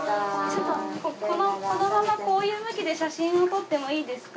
ちょっとこのままこういう向きで写真を撮ってもいいですか？